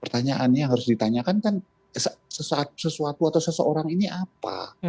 pertanyaannya yang harus ditanyakan kan sesuatu atau seseorang ini apa